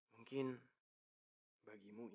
mungkin bagimu ini